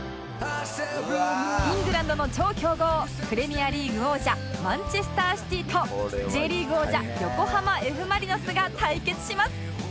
イングランドの超強豪プレミアリーグ王者マンチェスター・シティと Ｊ リーグ王者横浜 Ｆ ・マリノスが対決します